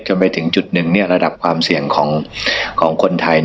จนถึงจุดหนึ่งระดับความเสี่ยงของคนไทย